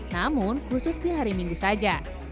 namun khusus di hari minggu saja